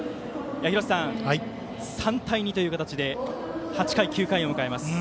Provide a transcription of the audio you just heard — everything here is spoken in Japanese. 廣瀬さん、３対２という形で８回、９回を迎えます。